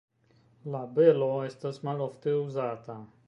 La belo estas malofte uzata.